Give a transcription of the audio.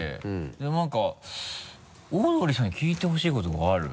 なんか「オードリーさんに聞いてほしいことがある」